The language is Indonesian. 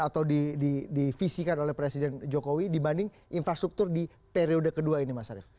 atau divisikan oleh presiden jokowi dibanding infrastruktur di periode kedua ini mas arief